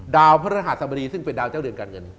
ดาวพระรหัสบดีซึ่งเป็นดาวเจ้าเรือนการเงิน